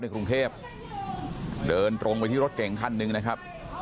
กรุงเทพเดินตรงไปที่รถเก่งคันหนึ่งนะครับ